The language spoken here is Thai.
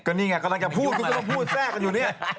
ก็นี่ไงก่อนทางจะพูดก็จะพูดแซ่กกันอยู่นี่